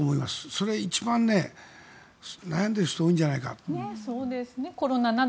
それ一番、悩んでいる人多いんじゃないかな。